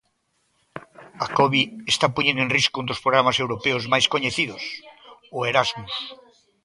A Covid está poñendo en risco un dos programas europeos máis coñecidos: o Erasmus.